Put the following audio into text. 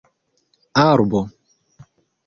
arbo